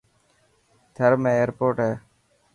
ٿر ۾ ايرپوٽ هي.